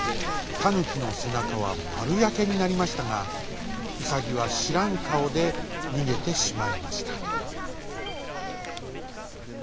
タヌキのせなかはまるやけになりましたがウサギはしらんかおでにげてしまいました。